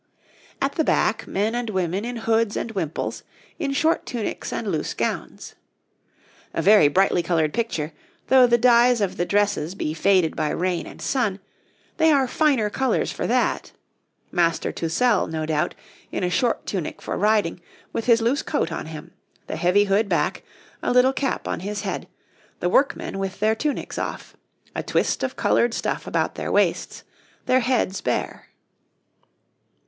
At the back men and women in hoods and wimples, in short tunics and loose gowns. A very brightly coloured picture, though the dyes of the dresses be faded by rain and sun they are the finer colours for that: Master Tousell, no doubt, in a short tunic for riding, with his loose coat on him, the heavy hood back, a little cap on his head; the workmen with their tunics off, a twist of coloured stuff about their waists, their heads bare.